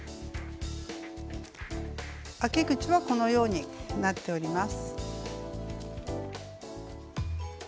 あき口はこのようになっております。